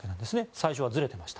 最初はずれてました。